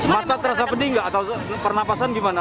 mata terasa pedih nggak atau pernafasan gimana